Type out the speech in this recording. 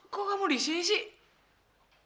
kok kamu di sini sih